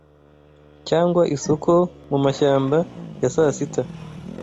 Cyangwa isoko mu mashyamba ya saa sita